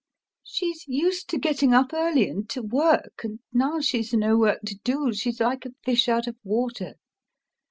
She's used to getting up early and to work, and now she's no work to do she's like a fish out of water.